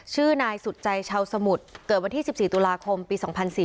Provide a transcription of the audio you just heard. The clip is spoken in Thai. ชื่อนายสุดใจชาวสมุทรเกิดวันที่๑๔ตุลาคมปี๒๔๔